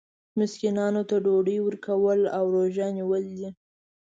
مسکینانو ته ډوډۍ ورکول او روژه نیول دي.